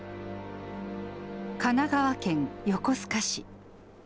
神奈川県横須賀市。